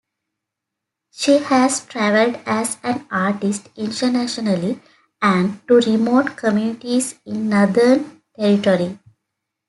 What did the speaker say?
She has travelled as an artist internationally and to remote communities in Northern Territory.